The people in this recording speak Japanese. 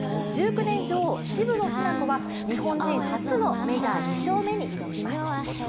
１９年女王・渋野日向子は日本人初のメジャー２勝目に挑みます。